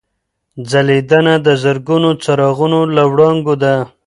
ځلېدنه د زرګونو څراغونو له وړانګو ده.